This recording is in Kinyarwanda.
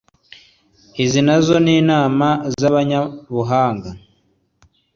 izi na zo ni inama z'abanyabuhanga